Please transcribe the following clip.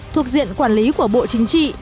thuộc diện quản lý của bộ chính trị